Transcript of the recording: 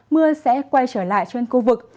mưa sẽ quay trở lại trên khu vực